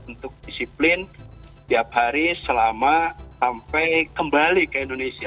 untuk disiplin tiap hari selama sampai kembali ke indonesia